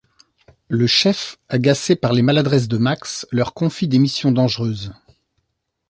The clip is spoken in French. Le chef, agacé par les maladresses de Max, leur confie des missions dangereuses.